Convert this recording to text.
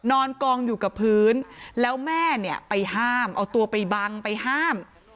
นอนกองอยู่กับพื้นแล้วแม่เนี่ยไปห้ามเอาตัวไปบังไปห้าม